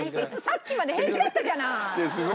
さっきまで平気だったじゃない！